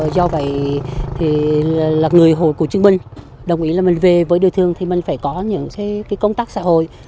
do vậy là người hội của chương minh đồng ý là mình về với đời thương thì mình phải có những công tác xã hội